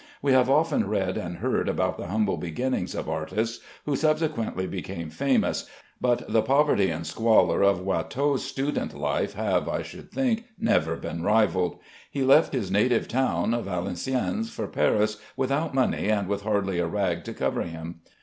We have often read and heard about the humble beginnings of artists, who subsequently became famous, but the poverty and squalor of Watteau's student life have, I should think, never been rivalled. He left his native town, Valenciennes, for Paris without money and with hardly a rag to cover him.